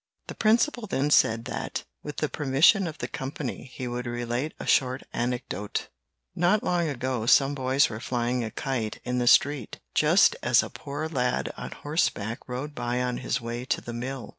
The principal then said that, with the permission of the company, he would relate a short anecdote: "Not long ago some boys were flying a kite in the street, just as a poor lad on horseback rode by on his way to the mill.